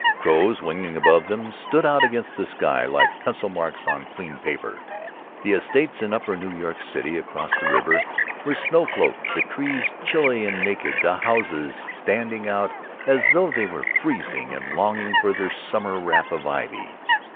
Crows winging above them stood out against the sky like pencil marks on clean paper. The estates in upper New York City, across the river, were snow cloaked, the trees chilly and naked, the houses standing out as though they were freezing and longing for their summer wrap of ivy.